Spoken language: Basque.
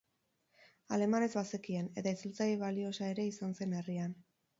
Alemanez bazekien, eta itzultzaile baliosa ere izan zen herrian.